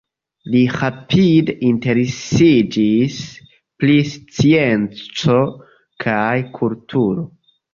Li rapide interesiĝis pri scienco kaj kulturo.